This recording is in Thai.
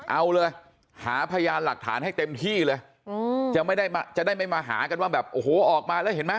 เอาเลยหาพยานหลักฐานให้เต็มที่เลยจะไม่ได้จะได้ไม่มาหากันว่าแบบโอ้โหออกมาแล้วเห็นไหม